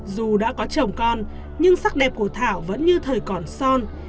dù đã có chồng con nhưng sắc đẹp của thảo vẫn như thời còn son